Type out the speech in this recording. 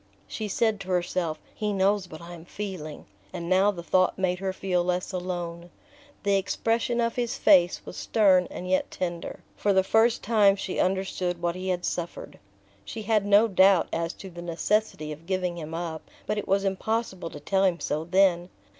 She said to herself: "He knows what I am feeling..." and now the thought made her feel less alone. The expression of his face was stern and yet tender: for the first time she understood what he had suffered. She had no doubt as to the necessity of giving him up, but it was impossible to tell him so then.